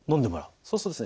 そうするとですね